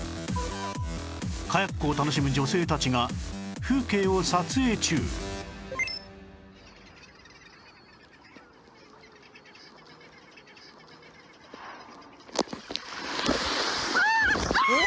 カヤックを楽しむ女性たちが風景を撮影中ええ！？